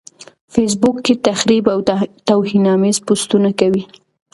فېس بوک کې تخريب او توهيناميز پوسټونه کوي.